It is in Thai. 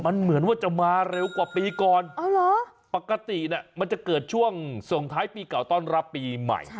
มันเหมือนว่าจะมาเร็วกว่าปีก่อนปกติมันจะเกิดช่วงส่งท้ายปีเก่าต้อนรับปีใหม่